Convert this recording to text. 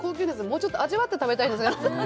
もうちょっと味わって食べたいですね